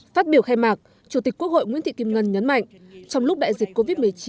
phát biểu khai mạc chủ tịch quốc hội nguyễn thị kim ngân nhấn mạnh trong lúc đại dịch covid một mươi chín